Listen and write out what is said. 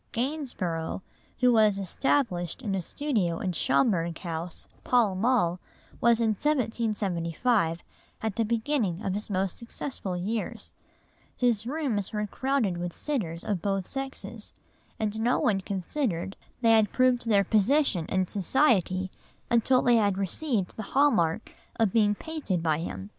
Gainsborough, who was established in a studio in Schomberg House, Pall Mall, was in 1775 at the beginning of his most successful years; his rooms were crowded with sitters of both sexes, and no one considered they had proved their position in society until they had received the hall mark of being painted by him.